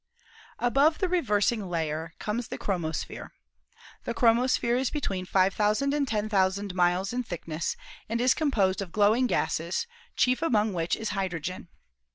Above the reversing layer comes the chromosphere. The chromosphere is between 5,000 and 10,000 miles in 9 6 ASTRONOMY thickness and is composed of glowing gases, chief among which is hydrogen.